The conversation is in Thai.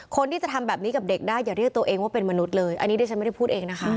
คนที่จะทำแบบนี้กับเด็กได้อย่าเรียกตัวเองว่าเป็นมนุษย์เลยอันนี้ดิฉันไม่ได้พูดเองนะคะ